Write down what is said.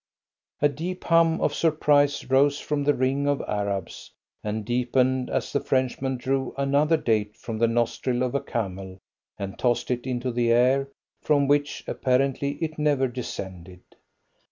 A deep hum of surprise rose from the ring of Arabs, and deepened as the Frenchman drew another date from the nostril of a camel and tossed it into the air, from which, apparently, it never descended.